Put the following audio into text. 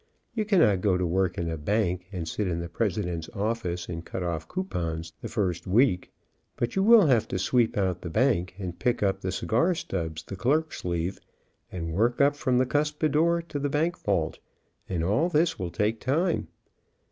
You cannot go to work in a bank, and sit in the president's LEARNING AN EASY TRADE 203 office and cut off coupons the first week, but you will have to sweep out the bank and pick up the cigar stubs the clerks leave, and work up from the cuspi dore to the bank vault, and all this will take time.